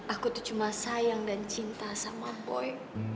aku tuh cuma sayang dan cinta sama boy